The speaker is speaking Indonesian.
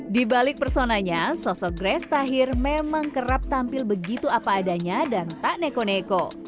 di balik personanya sosok grace tahir memang kerap tampil begitu apa adanya dan tak neko neko